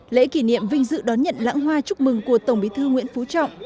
lễ kỷ niệm vinh dự đón nhận lãng hoa chúc mừng của tổng bí thư nguyễn phú trọng